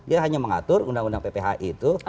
dia hanya mengatur undang undang pphi itu